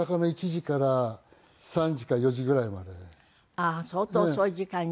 あっ相当遅い時間に。